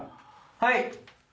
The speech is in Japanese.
はい。